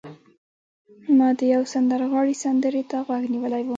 ما د یو سندرغاړي سندرې ته غوږ نیولی و